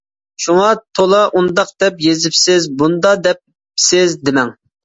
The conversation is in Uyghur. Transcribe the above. شۇڭا تولا ئۇنداق دەپ يېزىپسىز، بۇنداق دەپسىز دېمەڭ.